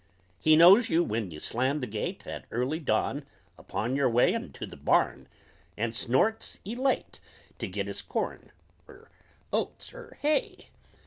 He knows you when you slam the gate At early dawn, upon your way Unto the barn, and snorts elate, To git his corn, er oats, er hay.